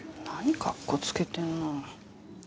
何かっこつけてんの。